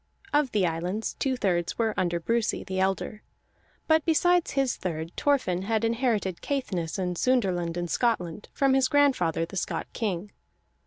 Of the islands, two thirds were under Brusi, the elder; but besides his third Thorfinn had inherited Caithness and Sunderland in Scotland from his grandfather the Scot king.